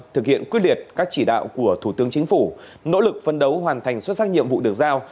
thực hiện quyết liệt các chỉ đạo của thủ tướng chính phủ nỗ lực phân đấu hoàn thành xuất sắc nhiệm vụ được giao